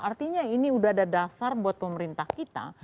artinya ini udah ada dasar buat pemerintah kita